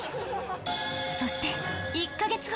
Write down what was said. そして１カ月後